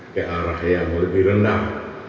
ke arah yang lebih rendah